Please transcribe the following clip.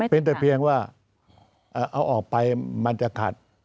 เป็นแต่เพียงว่าเอาออกไปมันจะขัด